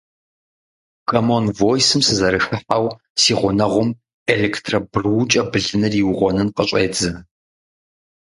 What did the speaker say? Комон Войсым сызэрыхыхьэу, си гъунэгъум электробрукӏэ блыныр иугъуэнын къыщӏедзэ!